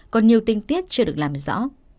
còn nhiều tinh tiết chưa được làm rõ